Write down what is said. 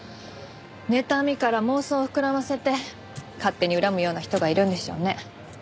ねたみから妄想を膨らませて勝手に恨むような人がいるんでしょうね。